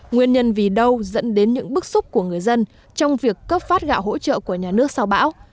nguyên nhân vì đâu dẫn đến những bức xúc của người dân trong việc cấp phát gạo hỗ trợ của nhà nước sau bão